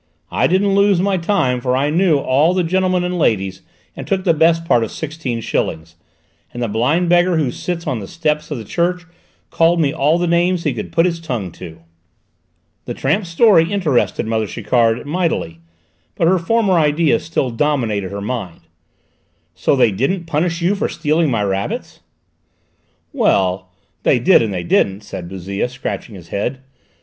I didn't lose my time, for I knew all the gentlemen and ladies and took the best part of sixteen shillings, and the blind beggar who sits on the steps of the church called me all the names he could put his tongue to!" The tramp's story interested mother Chiquard mightily, but her former idea still dominated her mind. "So they didn't punish you for stealing my rabbit?" "Well, they did and they didn't," said Bouzille, scratching his head.